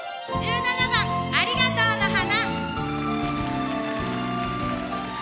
１７番「ありがとうの花」。